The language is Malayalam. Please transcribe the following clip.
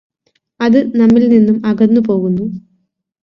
അത് നമ്മിൽ നിന്നും അകന്നു പോകുന്നു